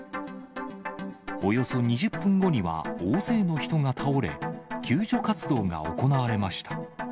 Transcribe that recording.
およそ２０分後には大勢の人が倒れ、救助活動が行われました。